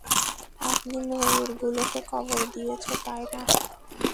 আপনি ময়ূরগুলোকে কবর দিয়েছ, তাই না?